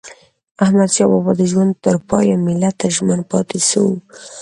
احمدشاه بابا د ژوند تر پایه ملت ته ژمن پاته سو.